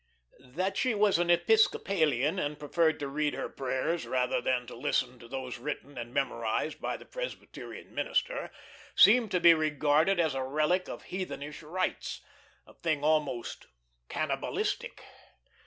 That she was an Episcopalian, and preferred to read her prayers rather than to listen to those written and memorised by the Presbyterian minister, seemed to be regarded as a relic of heathenish rites a thing almost cannibalistic.